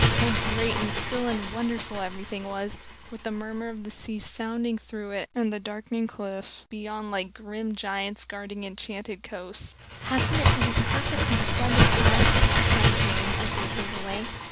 How great and still and wonderful everything was, with the murmur of the sea sounding through it and the darkling cliffs beyond like grim giants guarding enchanted coasts. "Hasn't it been a perfectly splendid time?" sighed Jane, as they drove away.